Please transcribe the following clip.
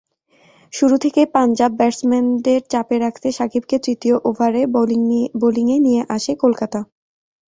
শুরু থেকেই পাঞ্জাব ব্যাটসম্যানদের চাপে রাখতে সাকিবকে তৃতীয় ওভারে বোলিংয়ে নিয়ে আসে কলকাতা।